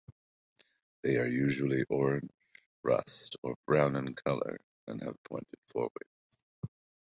They are usually orange, rust, or brown in colour and have pointed forewings.